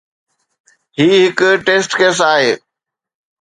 هي هڪ test case آهي.